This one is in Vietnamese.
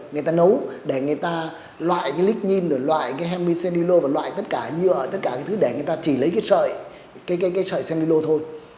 người ta nấu để người ta loại lịch nhìn loại hemisenilo và loại tất cả những thứ để người ta chỉ lấy sợi senilo thôi